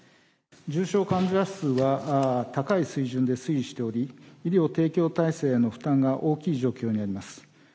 重症患者数は高い水準で推移しており、医療提供体制への負担が大きい状況にあります。